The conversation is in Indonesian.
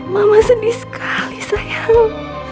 mama sedih sekali sayang